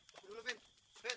tunggu dulu phil